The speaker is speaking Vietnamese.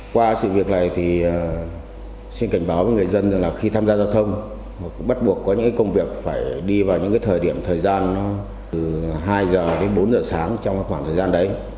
qua sự việc này thì xin cảnh báo với người dân là khi tham gia giao thông bắt buộc có những công việc phải đi vào những thời điểm thời gian từ hai h đến bốn h sáng trong khoảng thời gian đấy